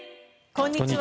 こんにちは。